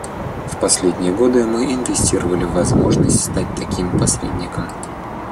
В последние годы мы инвестировали в возможность стать таким посредником.